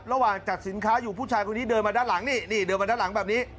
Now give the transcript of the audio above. จัดสินค้าอยู่ผู้ชายคนนี้เดินมาด้านหลังนี่นี่เดินมาด้านหลังแบบนี้